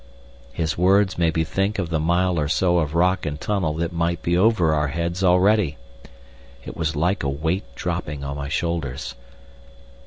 His words made me think of the mile or so of rock and tunnel that might be over our heads already. It was like a weight dropping on my shoulders.